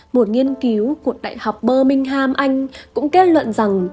một nghiên cứu của đại học birmingham anh cũng kết luận rằng